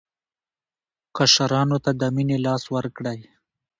کشرانو ته د مینې لاس ورکړئ.